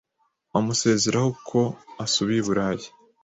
amusezeraho ko asubiye i Burayi